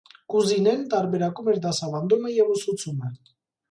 Կուզինեն տարբերակում էր դասավանդումը և ուսուցումը։